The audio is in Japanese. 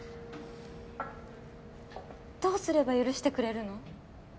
どうすれば許してくれるの？